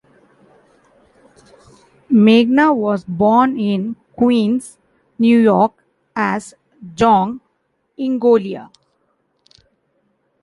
Megna was born in Queens, New York, as John Ingolia.